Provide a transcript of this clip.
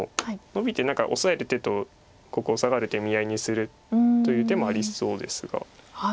ノビて何かオサえる手とここサガる手見合いにするという手もありそうですが。